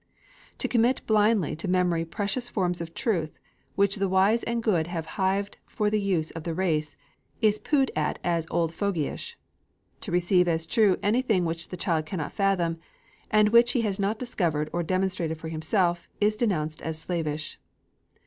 To commit blindly to memory precious forms of truth, which the wise and good have hived for the use of the race, is poohed at as old fogyish. To receive as true anything which the child cannot fathom, and which he has not discovered or demonstrated for himself, is denounced as slavish.